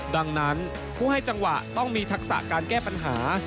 ดังนั้นผู้ให้จังหวะต้องมีทักษะการแก้ปัญหา